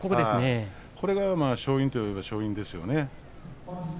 それが勝因といえば勝因ですね。